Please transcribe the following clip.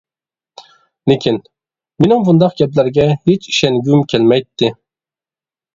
لېكىن، مېنىڭ بۇنداق گەپلەرگە ھېچ ئىشەنگۈم كەلمەيتتى.